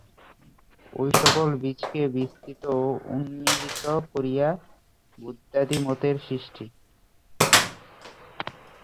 ঐ সকল বীজকে বিস্তৃত ও উন্মীলিত করিয়া বৌদ্ধাদি মতের সৃষ্টি।